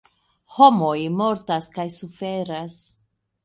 Homoj mortas kaj suferas.